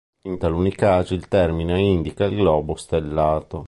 In taluni casi il termine indica il globo stellato.